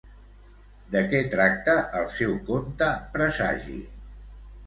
De què tracta el seu conte Presagi?